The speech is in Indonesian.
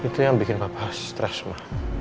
itu yang bikin bapak stress ma